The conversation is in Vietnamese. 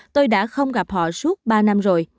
tôi đã không gặp họ suốt ba năm rồi